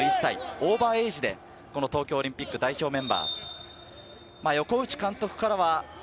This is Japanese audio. オーバーエイジでこの東京オリンピック代表メンバー。